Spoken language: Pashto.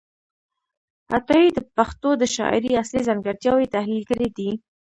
عطايي د پښتو د شاعرۍ اصلي ځانګړتیاوې تحلیل کړې دي.